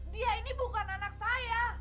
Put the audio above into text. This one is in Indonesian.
dia ini bukan anak saya